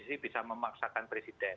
ini bukan tidak memerlukan interpretasi ulang